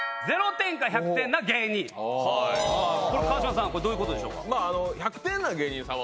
川島さんどういうことでしょうか？